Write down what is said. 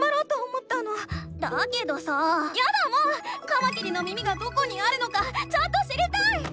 カマキリの耳がどこにあるのかちゃんと知りたい！